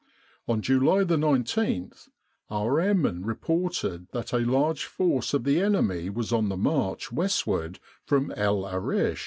On July 19 our airmen reported that a large force of the enemy was on the march westward from El Arish.